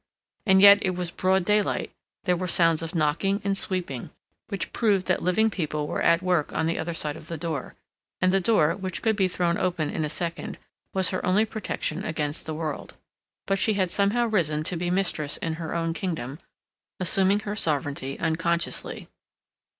And yet it was broad daylight; there were sounds of knocking and sweeping, which proved that living people were at work on the other side of the door, and the door, which could be thrown open in a second, was her only protection against the world. But she had somehow risen to be mistress in her own kingdom, assuming her sovereignty unconsciously.